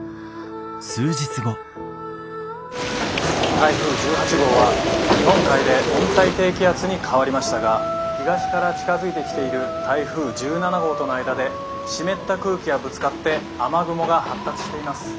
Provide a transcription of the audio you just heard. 「台風１８号は日本海で温帯低気圧に変わりましたが東から近づいてきている台風１７号との間で湿った空気がぶつかって雨雲が発達しています。